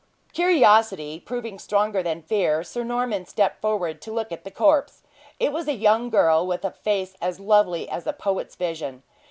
Curiosity proving stronger than fear, Sir Norman stepped forward to look at the corpse. It was a young girl with a face as lovely as a poet's vision.